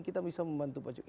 kita bisa membantu pak jokowi